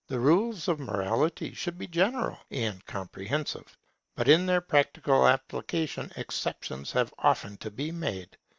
The rules of morality should be general and comprehensive; but in their practical application exceptions have often to be made.